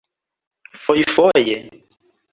fojfoje